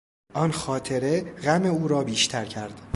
آن خاطره غم او را بیشتر کرد.